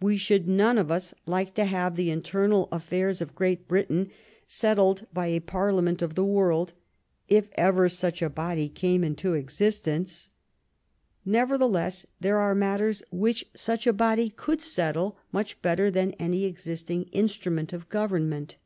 We should none of us like to have the internal affairs of Great Britain settled by a parliament of the world, if ever such a body came into existence. Nevertheless, there are matters which such a body could settle much better than any existing instrument of government.